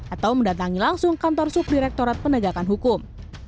atau mendatangi langsung kantor subdirektorat penegakan hukum